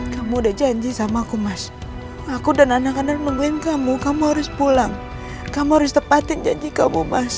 kamu udah janji sama aku mas aku dan anak anak menungguin kamu kamu harus pulang kamu harus tepatin janji kamu mas